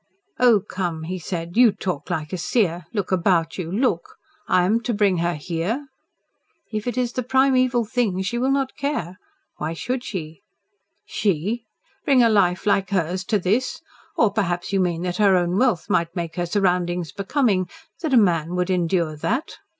"Oh, come," he said. "You talk like a seer. Look about you. Look! I am to bring her here!" "If it is the primeval thing she will not care. Why should she?" "She! Bring a life like hers to this! Or perhaps you mean that her own wealth might make her surroundings becoming that a man would endure that?"